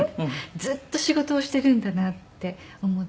ずっと仕事をしているんだなって思って。